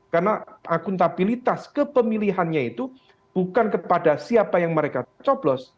karena akuntabilitas kepemilihannya itu bukan kepada siapa yang mereka coblos